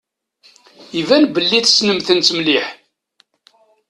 Iban belli tessnem-tent mliḥ.